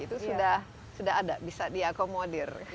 itu sudah ada bisa diakomodir